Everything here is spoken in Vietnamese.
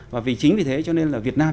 và vì chính vì thế cho nên là việt nam